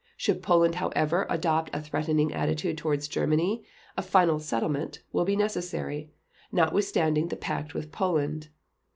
Should Poland however adopt a threatening attitude towards Germany, 'a final settlement' will be necessary, notwithstanding the pact with Poland.